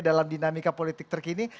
dalam dinamika politik terkini